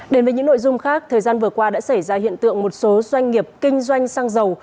đến với những nội dung khác thời gian vừa qua đã xảy ra hiện tượng một số doanh nghiệp kinh doanh xăng dầu